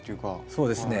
そうですね。